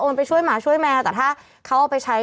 ไปช่วยหมาช่วยแมวแต่ถ้าเขาเอาไปใช้